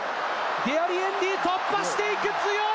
デアリエンディ突破していく強い！